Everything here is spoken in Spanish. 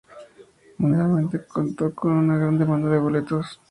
Mundialmente, contó con una gran demanda de boletos.